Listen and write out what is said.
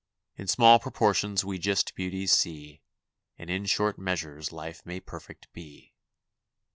In small proportions we just beauties see; And in short measures life may perfect be."